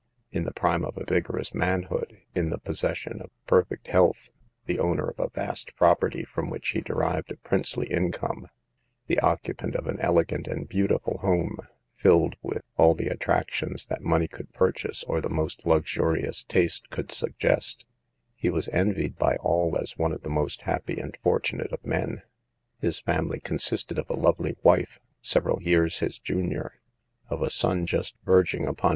In the prime of a vigorous manhood, in the pos session of perfect health, the owner of a vast property from which he derived a princely income, the occupant of an elegant and beauti ful home, filled with all the attractions that money could purchase or the most luxurious taste could suggest, he was envied by all as one of the most happy and fortunate of men. His family consisted of a lovely wife, several years his junior, of a son just verging upon (9) 10 SAVE THE GIRLS.